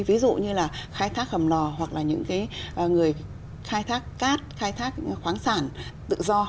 ví dụ như là khai thác hầm lò hoặc là những người khai thác cát khai thác khoáng sản tự do